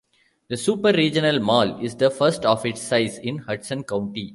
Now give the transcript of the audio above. The super-regional mall is the first of its size in Hudson County.